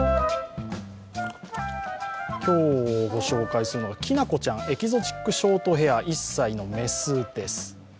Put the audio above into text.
今日、ご紹介するのが、きなこちゃん、エキゾチックショートヘア１歳の雌です。